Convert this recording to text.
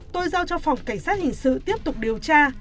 tôi giao cho phòng cảnh sát hình sự tiếp tục điều tra